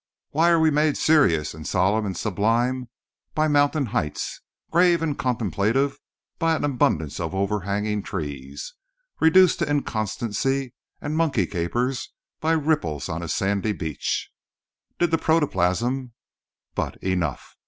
Why are we made serious and solemn and sublime by mountain heights, grave and contemplative by an abundance of overhanging trees, reduced to inconstancy and monkey capers by the ripples on a sandy beach? Did the protoplasm—but enough.